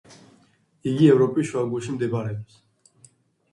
იგი ევროპის შუაგულში მდებარეობს.